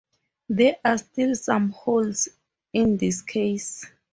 There are still some holes in this case.